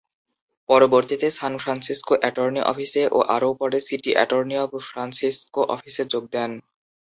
পরবর্তীতে San Francisco attorney অফিসে ও আরও পরে সিটি অ্যাটর্নি অব ফ্রান্সিসকো অফিসে যোগ দেন।